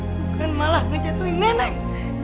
bukan malah ngejatuhin neneng